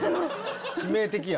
致命的や。